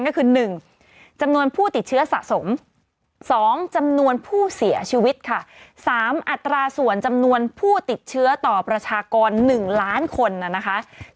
ก็คือ๑จำนวนผู้ติดเชื้อสะสม๒จำนวนผู้เสียชีวิตค่ะ๓อัตราส่วนจำนวนผู้ติดเชื้อต่อประชากร๑ล้านคนนะคะ